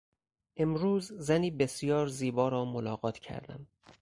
امروز زنی بسیار زیبا را ملاقات کردم.